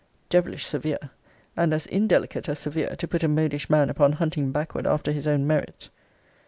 Devilish severe! And as indelicate as severe, to put a modish man upon hunting backward after his own merits.